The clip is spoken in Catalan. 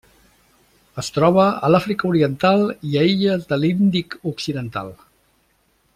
Es troba a l'Àfrica Oriental i a illes de l'Índic occidental.